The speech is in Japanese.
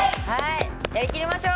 やりきりましょう。